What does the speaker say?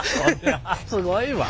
すごいわ。